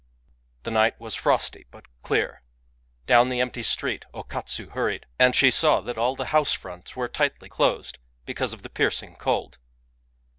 The night was frosty, but clear, Down the empty street O Katsu hurried ; and she saw that all the house fronts were tightly closed, because of the piercing cold.